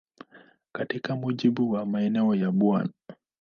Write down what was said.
Katika mujibu wa maneno ya Bw.